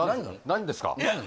何ですか？